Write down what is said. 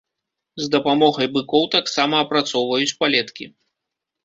З дапамогай быкоў таксама апрацоўваюць палеткі.